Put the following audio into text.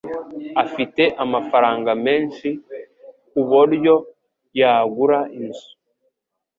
Afite amafaranga menshi kuboryo yagura inzu